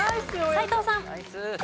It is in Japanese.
斎藤さん。